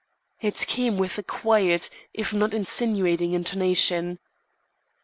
It came with a quiet, if not insinuating, intonation.